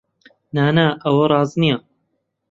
نا، نا! ئەوە ڕاست نییە.